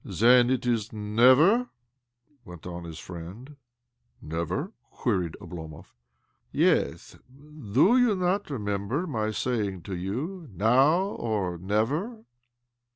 " Then it is to be ' never '?" went on his friend. "' Never '?" queried Oblomov. " Yes. Do you not remember my say ing to you, 'Now or never